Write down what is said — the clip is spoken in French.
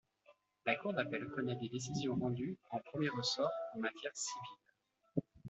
La Cour d'appel connaît des décisions rendues en premier ressort en matière civile.